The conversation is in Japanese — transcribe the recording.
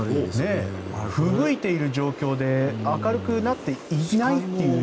ふぶいている状況で明るくなっていないという。